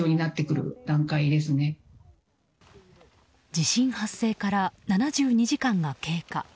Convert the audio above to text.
地震発生から７２時間が経過。